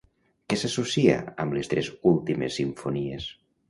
Què s'associa amb les tres últimes simfonies?